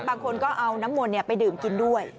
บางคนก็เอาน้ำมนต์ไปดื่มกินด้วย